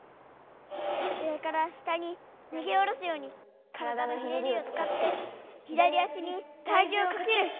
「上から下に投げおろすように体のひねりを使って左足に体じゅうをかける！」。